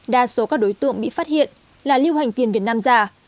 đa số các đối tượng bị phát hiện là lưu hành tiền việt nam già